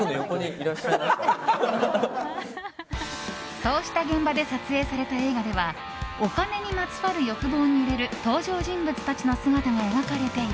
そうした現場で撮影された映画ではお金にまつわる欲望に揺れる登場人物たちの姿が描かれている。